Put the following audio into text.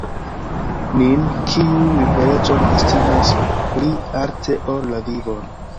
Nin, kiuj liberecon estimas pli alte ol la vivon.